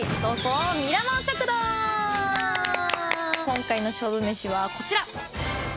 今回の勝負めしはこちら。